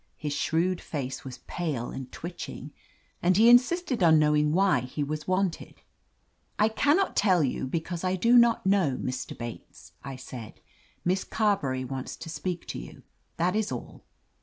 His shrewd face was pale and twitching, and he in sisted on knowing why he was wanted. I can not tell you, because I do not know, Mr. Bates," I said. "Miss Carberry wants to speak to you. That is all."